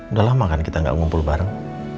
udah lama kan kita gak ngumpul bareng